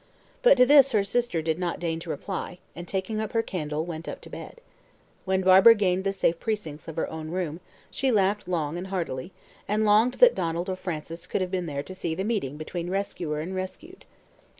But to this her sister did not deign to reply, and, taking up her candle, went up to bed. When Barbara gained the safe precincts of her own room she laughed long and heartily, and longed that Donald or Frances could have been there to see the meeting between rescuer and rescued.